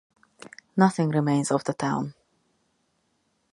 Nothing remains of the town.